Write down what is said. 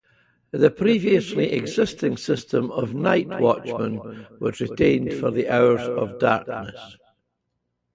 The previously existing system of night watchmen was retained for the hours of darkness.